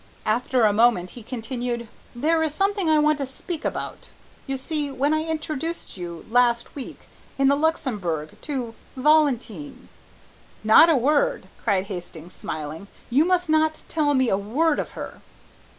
After a moment he continued, "There is something I want to speak about. You see, when I introduced you, last week, in the Luxembourg, to Valentine " "Not a word!" cried Hastings, smiling; "you must not tell me a word of her!"